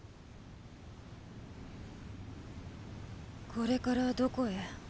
これからどこへ？